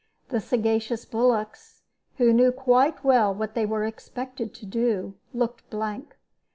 The sagacious bullocks, who knew quite well what they were expected to do, looked blank.